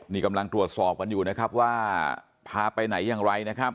นี่กำลังตรวจสอบกันอยู่นะครับว่าพาไปไหนอย่างไรนะครับ